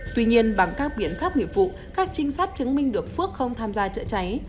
tuy nhiên bằng các biện pháp nghiệp vụ các trinh sát chứng minh được phước không tham gia chữa cháy